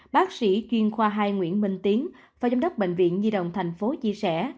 bác sĩ chuyên khoa hai nguyễn minh tiến và giám đốc bệnh viện di động thành phố chia sẻ